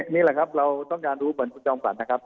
นี่แหละครับเราต้องการรู้เหมือนคุณจอมขวัญนะครับ